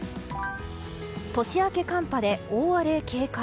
年明け寒波で大荒れ警戒。